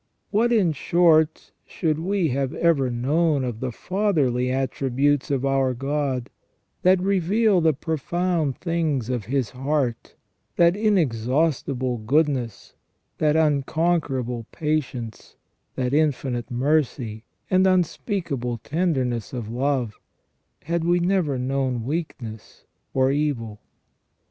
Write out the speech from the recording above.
What, in short, should we have ever known of the fatherly attributes of our God, that reveal the profound things of His heart, that inexhaustible goodness, that uncon querable patience, that infinite mercy, and unspeakable tender ness of love, had we never known weakness or evil